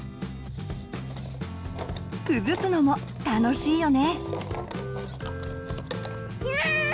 崩すのも楽しいよね。